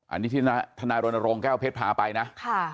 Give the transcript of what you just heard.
อันนี้ที่ธนายรณรงค์แก้วเพชรพาไปนะ